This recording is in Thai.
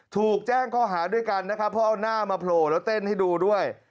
ถูกแจ้งข้อหาด้วยกันนะครับเพราะเอาหน้ามาโผล่แล้วเต้นให้ดูด้วย